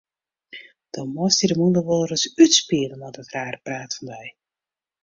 Do meist dy de mûle wolris útspiele mei dat rare praat fan dy.